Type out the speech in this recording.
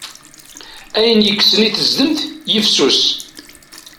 Ayen yekksen i tezdemt, yifsus.